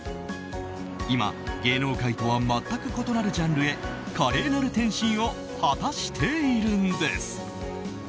今、芸能界とは全く異なるジャンルへ華麗なる転身を果たしているんです。